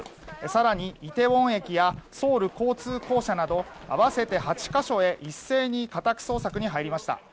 更にイテウォン駅やソウル交通公社など合わせて８か所へ一斉に家宅捜索に入りました。